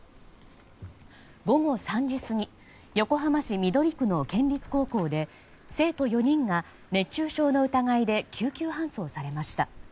午後３時過ぎ横浜市緑区の県立高校で生徒４人が熱中症の疑いで救急搬送されました。